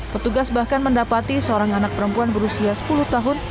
petugas bahkan mendapati seorang anak perempuan berusia sepuluh tahun